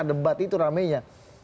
debat itu rame nya